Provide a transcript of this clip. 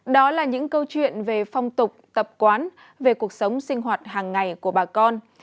đó là những câu chuyện về phong tục tập quán về cuộc sống sinh hoạt hàng ngày của bà con